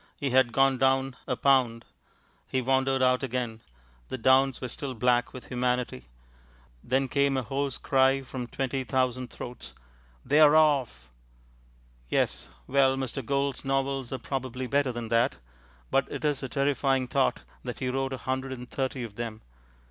He had gone down a pound. He wandered out again. The downs were still black with humanity. Then came a hoarse cry from twenty thousand throats. "They're off!" Yes, well, Mr. Gould's novels are probably better than that. But it is a terrifying thought that he wrote a hundred and thirty of them.